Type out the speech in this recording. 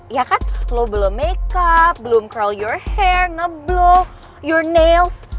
ya kan lo belum makeup belum curl your hair ngeblow your nails